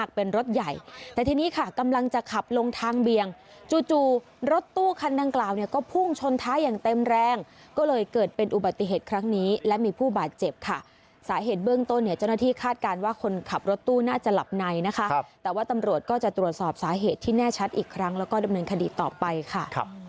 ก็พุ่งชนท้ายอย่างเต็มแรงก็เลยเกิดเป็นอุบัติเหตุครั้งนี้และมีผู้บาดเจ็บค่ะสาเหตุเบื้องต้นเนี่ยเจ้าหน้าที่คาดการณ์ว่าคนขับรถตู้น่าจะหลับในนะคะแต่ว่าตำรวจก็จะตรวจสอบสาเหตุที่แน่ชัดอีกครั้งแล้วก็ดำเนินคดีต่อไปค่ะ